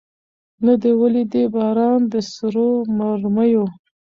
نه دي ولیدی باران د سرو مرمیو